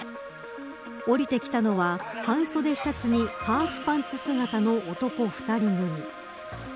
降りてきたのは半袖シャツに、ハーフパンツ姿の男２人組。